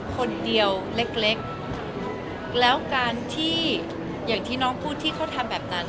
คนเดียวเล็กเล็กแล้วการที่อย่างที่น้องพูดที่เขาทำแบบนั้น